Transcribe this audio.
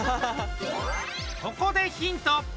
ここでヒント。